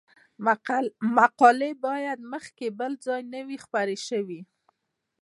مقالې باید مخکې بل ځای نه وي خپرې شوې.